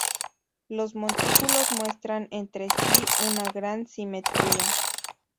Los montículos muestran entre sí una gran simetría.